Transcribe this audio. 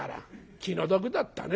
「気の毒だったね」。